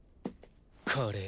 カレー。